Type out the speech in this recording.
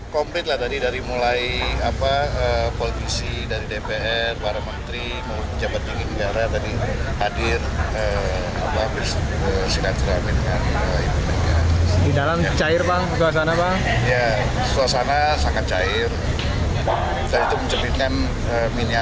komplit lah tadi dari mulai apa politisi dari dpr para menteri pejabat tinggi negara tadi hadir